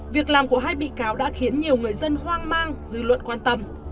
việc làm của hai bị cáo đã khiến nhiều người dân hoang mang dư luận quan tâm